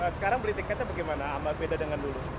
sekarang beli tiketnya bagaimana amal beda dengan dulu